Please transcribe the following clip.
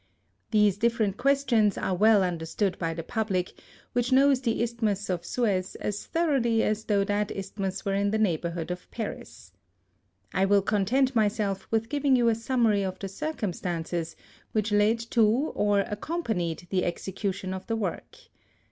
These dif ferent questions are well understood by the public, which knows the Isthmus of Suez as thoroughly as though that isthmus were in the neighbourhood of Paris. I will content myself with giving you a summary of the circumstances which led to or accom panied the execution of the work.